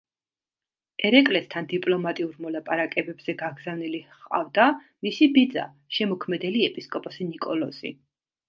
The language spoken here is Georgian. ერეკლესთან დიპლომატიურ მოლაპარაკებებზე გაგზავნილი ჰყავდა მისი ბიძა, შემოქმედელი ეპისკოპოსი ნიკოლოზი.